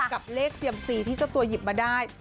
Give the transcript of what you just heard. กับเลขเซียมซีที่เจ้าตัวหยิบมาได้